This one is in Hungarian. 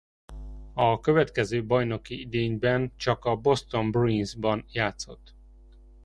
A következő bajnoki idényben csak a Boston Bruinsban játszott.